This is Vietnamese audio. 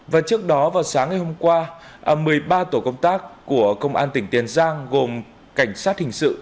và trước đó vào sáng ngày hôm qua một mươi ba tổ công tác của công an tỉnh tiền giang gồm cảnh sát hình sự